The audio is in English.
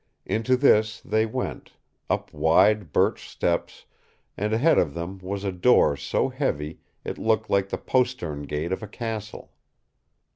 Into this they went, up wide birch steps, and ahead of them was a door so heavy it looked like the postern gate of a castle.